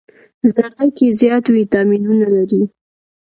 زردکي زيات ويټامينونه لري